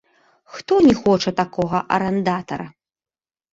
Хто не хоча такога арандатара?